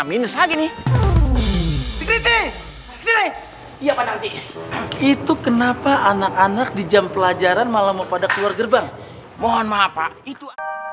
itu kenapa anak anak di jam pelajaran malam mau pada keluar gerbang mohon maaf pak itu